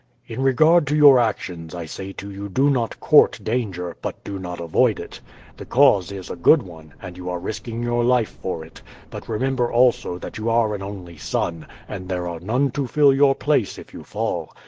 "In regard to your actions, I say to you do not court danger, but do not avoid it. The cause is a good one, and you are risking your life for it; but remember also that you are an only son, and there are none to fill your place if you fall.